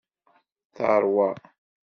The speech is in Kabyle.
Teṛwa.